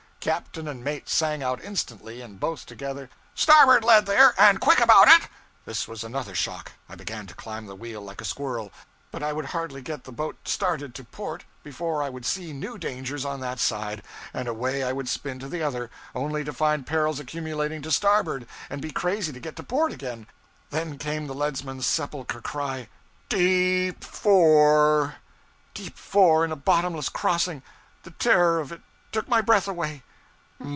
Captain and mate sang out instantly, and both together 'Starboard lead there! and quick about it!' This was another shock. I began to climb the wheel like a squirrel; but I would hardly get the boat started to port before I would see new dangers on that side, and away I would spin to the other; only to find perils accumulating to starboard, and be crazy to get to port again. Then came the leadsman's sepulchral cry 'D e e p four!' Deep four in a bottomless crossing! The terror of it took my breath away.